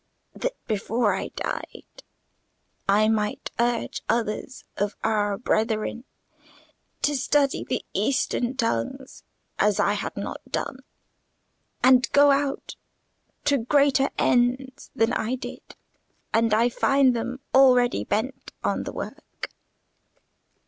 "—That before I died I might urge others of our brethren to study the Eastern tongues, as I had not done, and go out to greater ends than I did; and I find them already bent on the work.